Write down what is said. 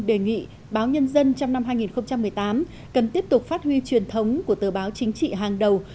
đề nghị báo nhân dân trong năm hai nghìn một mươi tám cần tiếp tục phát huy truyền thống của tờ báo chính trị hàng đầu